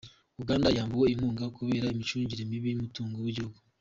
Uganda yambuwe inkunga kubera imicungire mibi y’umutungo wigihugu